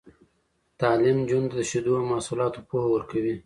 تعلیم نجونو ته د شیدو محصولاتو پوهه ورکوي.